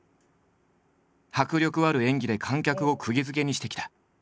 迫力ある演技で観客をくぎづけにしてきた。